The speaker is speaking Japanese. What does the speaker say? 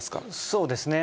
そうですね。